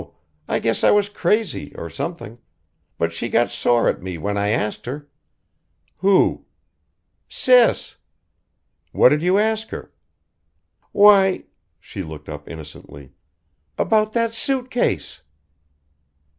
I guess I was crazy or something. But she got sore at me when I asked her " "Who?" "Sis." "What did you ask her?" "Why " she looked up innocently "about that suit case!"